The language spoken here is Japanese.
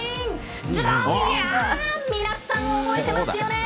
皆さん、覚えてますよね？